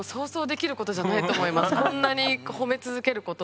こんなに褒め続けることって。